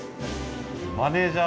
マネージャー？